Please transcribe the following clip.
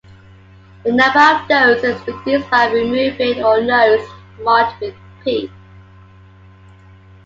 The number of nodes is reduced by removing all nodes marked with "P".